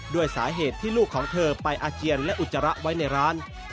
ด้วยสาเหตุที่ลูกของเธอไปอาเจียนและอุจจาระไว้ในร้าน